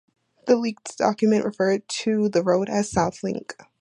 The leaked document referred to the road as South Link.